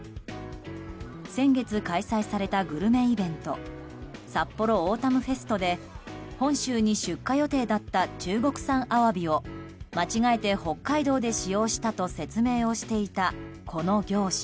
先月、開催されたグルメイベント「さっぽろオータムフェスト」で本州に出荷予定だった中国産アワビを間違えて北海道で使用したと説明をしていたこの業者。